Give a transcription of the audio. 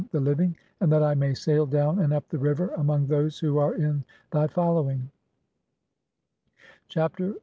"the living, and that I may sail down and up the river among "those who are in thy following." Chapter CLXXXVI.